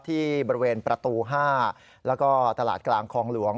ที่บริเวณประตู๕แล้วก็ตลาดกลางคลองหลวง